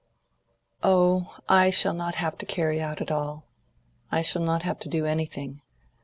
"Oh, I shall not have to carry out at all. I shall not have to do anything.